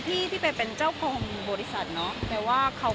พี่เป็นเจ้าของบริษัทเนาะ